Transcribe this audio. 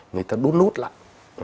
người ta đút nút lại